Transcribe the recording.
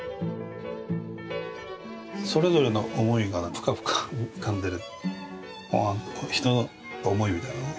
それぞれの思いがプカプカ浮かんでる。